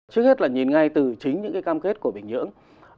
trước hết là nhìn ngay từ chính những cái cam kết của bình nhưỡng